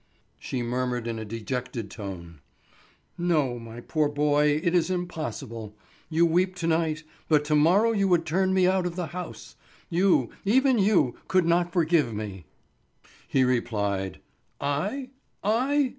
She murmured in a dejected tone: "No, my poor boy, it is impossible. You weep to night, but to morrow you would turn me out of the house. You, even you, could not forgive me." He replied: "I? I?